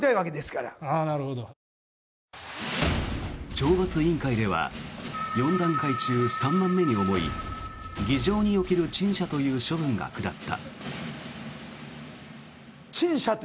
懲罰委員会では４段階中３番目に重い議場における陳謝という処分が下った。